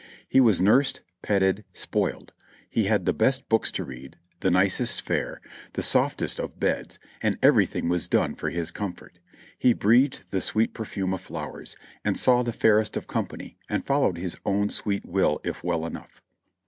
He was nursed, petted, spoiled ; he had the best books to read, the nicest fare, the softest of beds, and everything was done for his comfort ; he breathed the sweet perfume of flowers, he saw the fairest of company and followed his own sweet will if well enough.